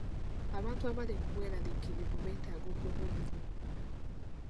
Abantu abali mu bweraliikirivu beetaaga okubuulirirwa.